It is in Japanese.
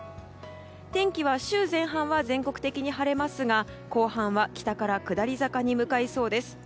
天気は週前半は全国的に晴れますが後半は北から下り坂に向かいそうです。